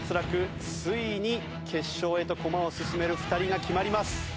ついに決勝へと駒を進める２人が決まります。